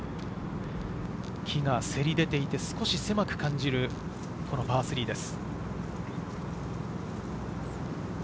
木がせり出ていて少し狭く感じるパー３です。